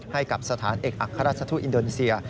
ให้กับสถานเอกอัครราชทูตอินโดนีเซีย